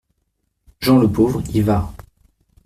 Jean le Pauvre y va.